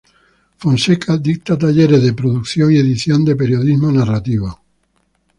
Fonseca dicta talleres de producción y edición de periodismo narrativo.